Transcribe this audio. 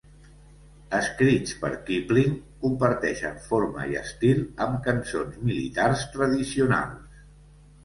Escrits per Kipling, comparteixen forma i estil amb cançons militars tradicionals.